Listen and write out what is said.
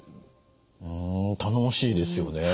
頼もしいですよね。